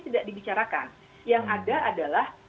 tidak dibicarakan yang ada adalah